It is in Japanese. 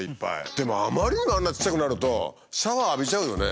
でもあまりにもあんなちっちゃくなるとシャワー浴びちゃうよね。